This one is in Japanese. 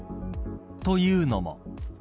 というのも。